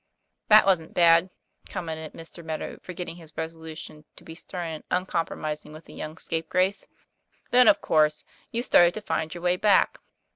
"That wasn't bad," commented Mr. Meadow, for getting his resolution to be stern and uncompromising with the young scapegrace. ' Then, of course, you started to find your way back."